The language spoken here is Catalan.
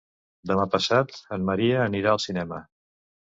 Demà passat en Maria anirà al cinema.